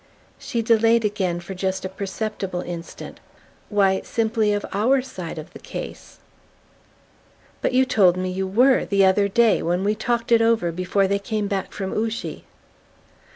She delayed again for a just perceptible instant. "Why, simply of OUR side of the case." "But you told me you were, the other day, when we talked it over before they came back from Ouchy."